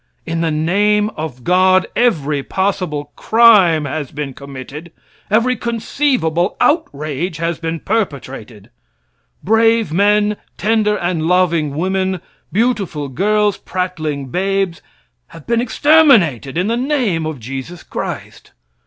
In the name of God every possible crime has been committed, every conceivable outrage has been perpetrated. Brave men, tender and loving women, beautiful girls, prattling babes have been exterminated in the name of Jesus Christ.